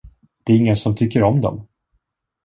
Det är ingen som tycker om dom.